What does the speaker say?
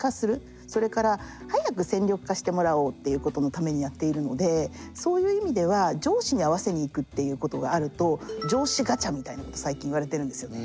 それから早く戦力化してもらおうっていうことのためにやっているのでそういう意味では上司に合わせにいくっていうことがあると上司ガチャみたいなこと最近いわれてるんですよね。